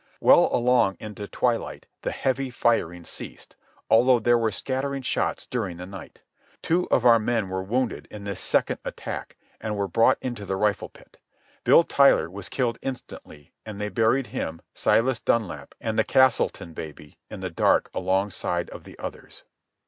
Well along into twilight the heavy firing ceased, although there were scattering shots during the night. Two of our men were wounded in this second attack, and were brought into the rifle pit. Bill Tyler was killed instantly, and they buried him, Silas Dunlap, and the Castleton baby, in the dark alongside of the others.